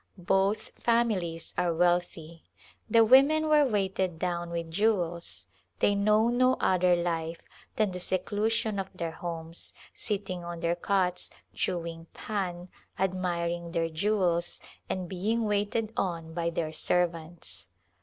Both families are wealthy. The women were weighted down with jewels ; they know no other life than the seclusion of their homes, sitting on their cots, chewing pan^ admiring their jewels, and being waited on by their servants.